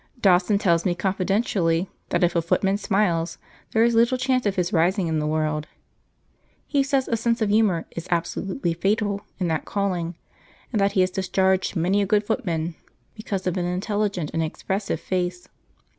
Dawson tells me confidentially that if a footman smiles there is little chance of his rising in the world. He says a sense of humour is absolutely fatal in that calling, and that he has discharged many a good footman because of an intelligent and expressive face.